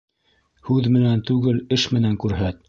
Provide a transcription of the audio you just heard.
Һүҙ менән түгел, эш менән күрһәт.